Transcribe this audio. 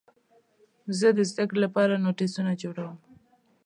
زه د زدهکړې لپاره نوټسونه جوړوم.